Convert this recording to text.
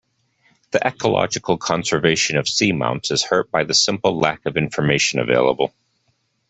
The ecological conservation of seamounts is hurt by the simple lack of information available.